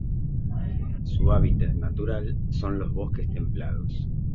Su hábitat natural son: los bosques templados.